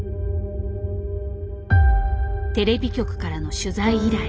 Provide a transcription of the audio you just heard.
テレビ局からの取材依頼。